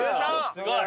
すごい！